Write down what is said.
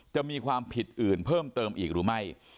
จะมีความผิดอื่นเพิ่มเติมอีกหรือไม่